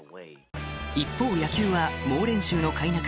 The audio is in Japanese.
一方野球は猛練習のかいなく